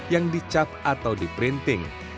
yang dicap atau dibatik